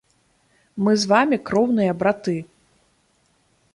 Мы з вамі кроўныя браты.